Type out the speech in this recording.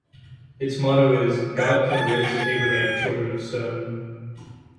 Its motto is "God Can Raise to Abraham Children of Stone".